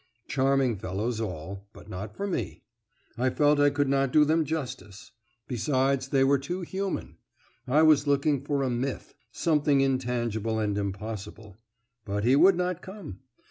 Charming fellows all, but not for me, I felt I could not do them justice. Besides, they were too human. I was looking for a myth something intangible and impossible. But he would not come.